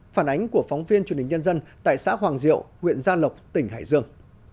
phản ánh của phóng viên truyền hình nhân dân tại xã hoàng diệu huyện gia lộc tỉnh hải dương